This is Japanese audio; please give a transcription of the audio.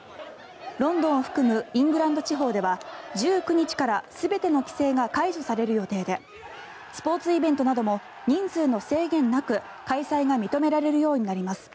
ロンドンを含むイングランド地方では１９日から全ての規制が解除される予定でスポーツイベントなども人数の制限なく開催が認められるようになります。